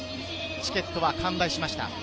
チケットは完売しました。